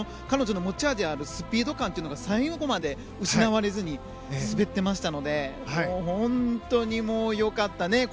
彼女の持ち味であるスピード感というのが最後まで失われずに滑っていましたので本当によかったね。